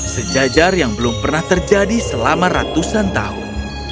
sejajar yang belum pernah terjadi selama ratusan tahun